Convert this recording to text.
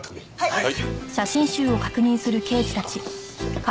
はい。